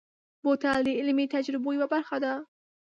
بوتل د علمي تجربو یوه برخه ده.